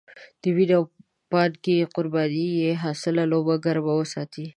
د وينې او پانګې قربانۍ بې حاصله لوبه ګرمه وساتي.